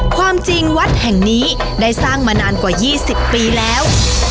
ความจริงวัดแห่งนี้ได้สร้างมานานกว่า๒๐ปีแล้ว